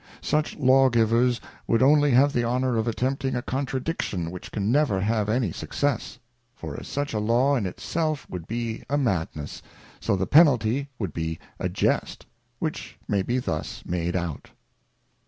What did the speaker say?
Such Law givers would only have the honour of attempting a contradiction which can never have any success ; for as such a Law in it self would be a Madness, so the Penalty would be a Jest ; which may be thus made out.